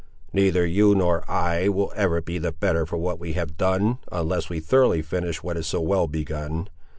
Neither you nor I will ever be the better for what we have done, unless we thoroughly finish what is so well begun.